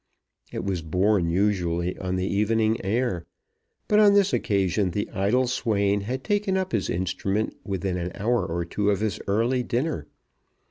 It was borne usually on the evening air, but on this occasion the idle swain had taken up his instrument within an hour or two of his early dinner.